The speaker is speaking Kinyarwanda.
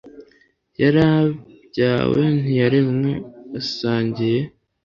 yarabyawe ntiyaremwe, asangiye